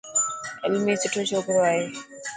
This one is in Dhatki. علمي سٺو چوڪرو آهي.